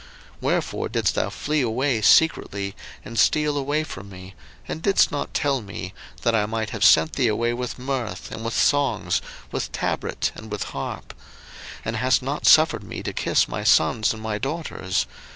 01:031:027 Wherefore didst thou flee away secretly, and steal away from me; and didst not tell me, that I might have sent thee away with mirth, and with songs, with tabret, and with harp? 01:031:028 And hast not suffered me to kiss my sons and my daughters?